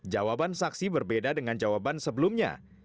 jawaban saksi berbeda dengan jawaban sebelumnya